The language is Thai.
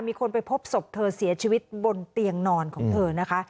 มีคนไปพบศพเธอเสียชีวิตบนเตียงนอนของเธอนะคะ